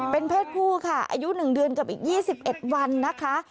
เป็นเพศผู้ค่ะอายุหนึ่งเดือนกับอีกยี่สิบเอ็ดวันนะคะ